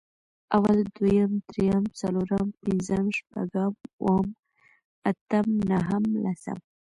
اول، دويم، درېيم، څلورم، پنځم، شپږم، اووم، اتم، نهم، لسم